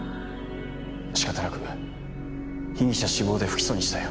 仕方なく被疑者死亡で不起訴にしたよ。